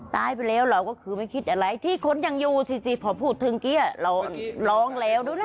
ตายไปแล้วเราก็คือไม่คิดอะไรที่คนยังอยู่สิพอพูดถึงกี้เราร้องแล้วดูนะ